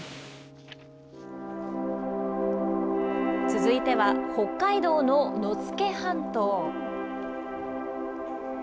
続いては、北海道の野付半島。